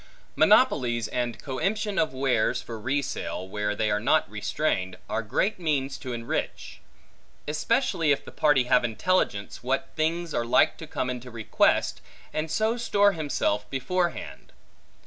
Monopolies, and coemption of wares for re sale, where they are not restrained, are great means to enrich; especially if the party have intelligence, what things are like to come into request, and so store himself beforehand.